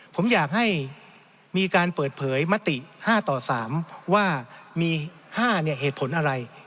ผมอยากให้มีการเปิดเผยมติ๕ต่อ๓ว่ามี๕เหตุผลอะไร